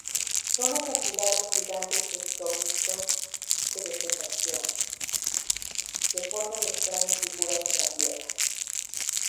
Son acantilados gigantes desprovistos de vegetación, que forman extrañas figuras en la piedra.